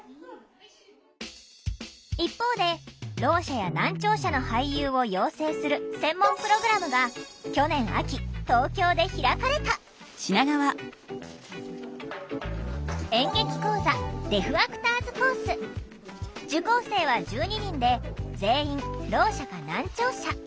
一方でろう者や難聴者の俳優を養成する専門プログラムが去年秋東京で開かれた演劇講座受講生は１２人で全員ろう者か難聴者。